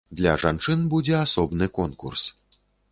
Для жанчын будзе асобны конкурс.